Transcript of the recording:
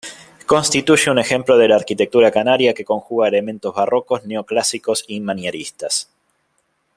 Constituye un ejemplo de la arquitectura canaria que conjuga elementos barrocos, neoclásicos y manieristas.